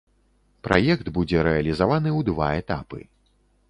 Праект будзе рэалізаваны ў два этапы.